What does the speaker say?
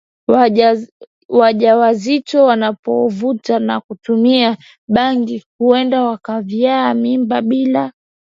wajawazito wanapovuta au kutumia bangi huenda wakaavya mimba bila